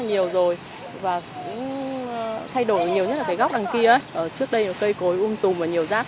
nhiều rồi và cũng thay đổi nhiều nhất là cái góc đằng kia trước đây là cây cối um tùm và nhiều rác